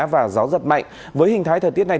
và gió giật mạnh với hình thái thời tiết này